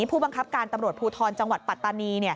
ผู้บังคับการตำรวจภูทรจังหวัดปัตตานี